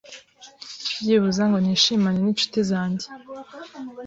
byibuza ngo nishimane n’incuti zanjye.